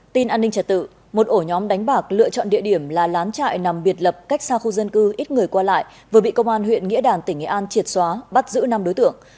tin an ninh trả tự một ổ nhóm đánh bạc lựa chọn địa điểm là lán trại nằm biệt lập cách xa khu dân cư ít người qua lại vừa bị công an huyện nghĩa đàn tỉnh nghệ an triệt xóa bắt giữ năm đối tượng